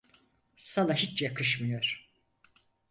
Sana hiç yakışmıyor.